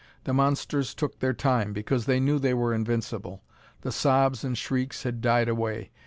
The monsters took their time, because they knew they were invincible. The sobs and shrieks had died away.